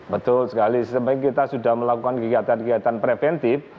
betul sekali sebenarnya kita sudah melakukan kegiatan kegiatan preventif